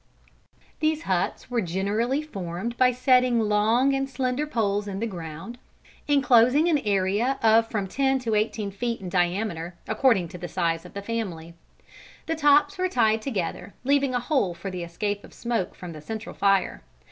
These huts were generally formed by setting long and slender poles in the ground, inclosing an area of from ten to eighteen feet in diameter, according to the size of the family. The tops were tied together, leaving a hole for the escape of smoke from the central fire.